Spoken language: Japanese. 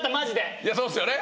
いやそうっすよね。